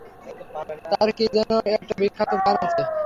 তার কী যেন একটা বিখ্যাত গান আছে?